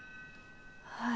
はい。